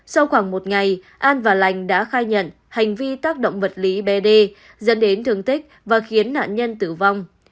sau khoảng một ngày an và lành đã khai nhận hành vi tác động vật lý bd dẫn đến thương tích và khiến nạn nhân tử vong